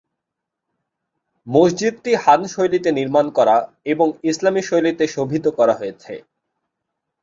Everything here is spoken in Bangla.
মসজিদটি হান শৈলীতে নির্মাণ করা এবং ইসলামী শৈলীতে শোভিত করা হয়েছে।